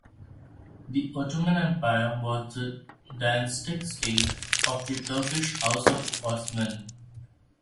The Ottoman Empire was the dynastic state of the Turkish House of Osman.